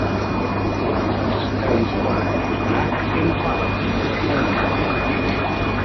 On the left stands a farmer with an ax and plow before a cornstalk.